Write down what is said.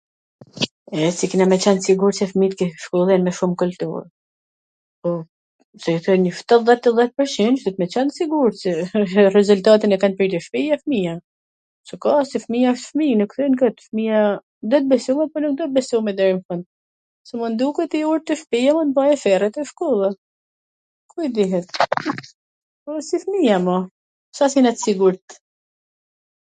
E si kena me qwn t sigurt qw fmijt i shkollojm me shum kultur? Po, shto njw dhjet pwrqindsh duhet me qwn t sigurt qwrezultatin e kan pritur, fmija, fmija qw ka, se fmija wsht fmij, nuk thojn kot, fmija duhet besu po edhe nuk duhet besu mendoj un, kupton, se mund t duket i urt te shpia po mund baj sherre te shkolla, ku i dihet? Po si fmija mo, Ca s jena t sigurt?